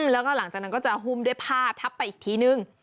แล้วก็หลังจากนั้นก็จะหุ้มด้วยผ้าทับไปอีกทีนึง